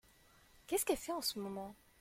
Qu’est-ce qu’elle fait en ce moment ?